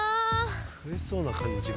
食えそうな感じが。